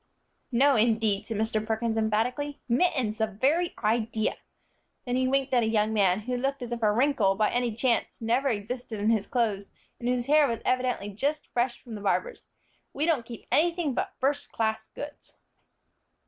"No, indeed," said Mr. Perkins, emphatically. "Mittens, the very idea!" then he winked at a young man, who looked as if a wrinkle, by any chance, never existed in his clothes, and whose hair was evidently just fresh from the barber's. "We don't keep anything but first class goods."